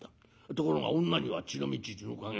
ところが女には血の道血の加減。